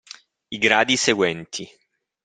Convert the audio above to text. I gradi seguenti.